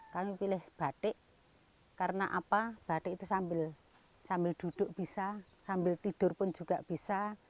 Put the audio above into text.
kami pilih batik karena apa batik itu sambil duduk bisa sambil tidur pun juga bisa